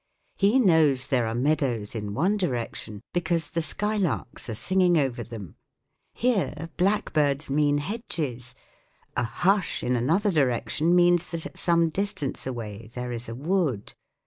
He knows there are meadows in one direction, because the sky larks are singing over them ; here blackbirds mean hedges, a " hush " in another direction means that at some distance away there is a wood.